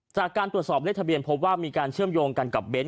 จากการตรวจสอบเลขทะเบียนพบว่ามีการเชื่อมโยงกันกับเบนท